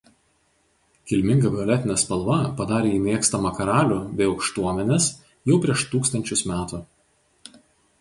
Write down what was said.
Kilminga violetinė spalva padarė jį mėgstamą karalių bei aukštuomenės jau prieš tūkstančius metų.